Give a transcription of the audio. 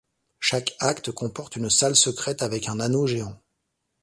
Chaque Acte comporte une salle secrète avec un Anneau géant.